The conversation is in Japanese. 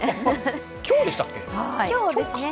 今日でしたっけ、今日か。